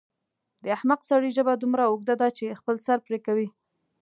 د احمق سړي ژبه دومره اوږده ده چې خپل سر پرې کوي.